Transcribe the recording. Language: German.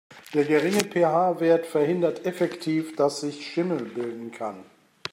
Der geringe PH-Wert verhindert effektiv, dass sich Schimmel bilden kann.